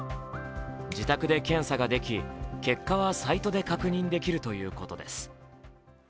自宅で検査ができ結果はサイトで確認できるということです。